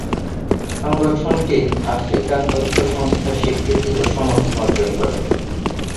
সংগঠনটি আফ্রিকান ঐক্য সংস্থার স্বীকৃতি ও সমর্থন অর্জন করে।